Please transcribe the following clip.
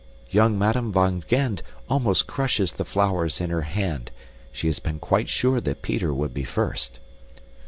Young Madame van Gend almost crushes the flowers in her hand; she had been quite sure that Peter would be first.